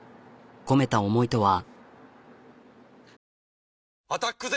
込めた思いとは？